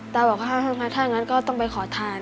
ตาบอกว่าถ้าอย่างงั้นก็ต้องไปขอทาน